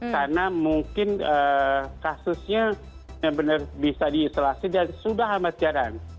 karena mungkin kasusnya benar benar bisa diisolasi dan sudah hambat jalan